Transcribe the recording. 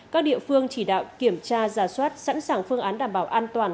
các địa phương chỉ đạo kiểm tra giả soát sẵn sàng phương án đảm bảo an toàn